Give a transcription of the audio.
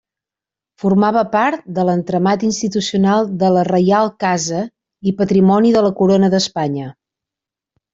Formava part de l'entramat institucional de la Reial Casa i Patrimoni de la Corona d'Espanya.